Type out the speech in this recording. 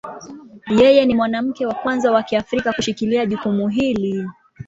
Yeye ni mwanamke wa kwanza wa Kiafrika kushikilia jukumu hili.